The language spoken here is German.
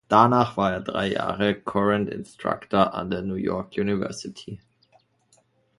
Danach war er drei Jahre Courant Instructor an der New York University.